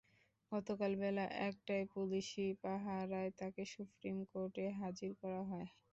গতকাল বেলা একটায় পুলিশি পাহারায় তাঁকে সুপ্রিম কোর্টে হাজির করা হয়।